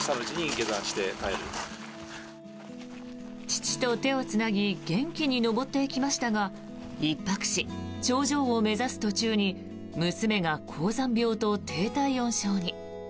父と手をつなぎ元気に登っていきましたが１泊し、頂上を目指す途中に娘が高山病と低体温症に。